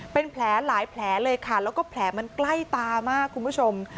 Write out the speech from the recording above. เป็นแผลหลายแผลเลยค่ะแล้วก็แผลมันใกล้ตามากคุณผู้ชม